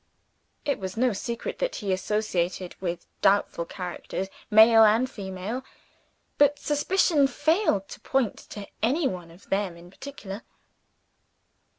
It was no secret that he associated with doubtful characters, male and female; but suspicion failed to point to any one of them in particular.